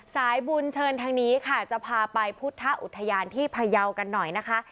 สายบุญเชิญทางนี้ค่ะจะพาไปพุทธอุทยานที่พยาวกันหน่อยนะคะ